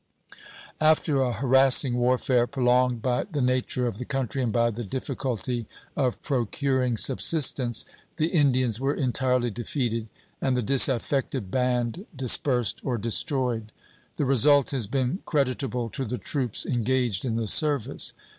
After a harassing warfare, prolonged by the nature of the country and by the difficulty of procuring subsistence, the Indians were entirely defeated, and the disaffected band dispersed or destroyed. The result has been creditable to the troops engaged in the service.